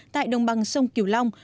tại đồng bằng sông kiều long